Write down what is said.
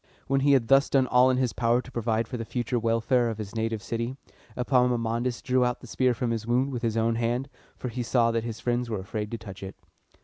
When he had thus done all in his power to provide for the future welfare of his native city, Epaminondas drew out the spear from his wound with his own hand, for he saw that his friends were afraid to touch it.